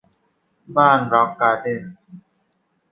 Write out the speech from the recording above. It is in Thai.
บ้านร็อคการ์เด้น